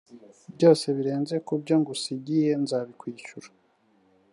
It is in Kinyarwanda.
byose birenze ku byo ngusigiye nzabikwishyura